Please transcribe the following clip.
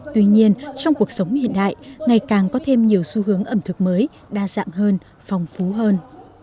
tuy nhiên trong cuộc sống hiện đại ngày càng có thêm nhiều xu hướng ẩm thực mới đa dạng hơn phong phú hơn